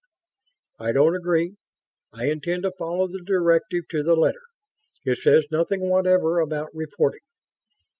"I don't agree. I intend to follow the directive to the letter. It says nothing whatever about reporting."